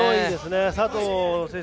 佐藤選手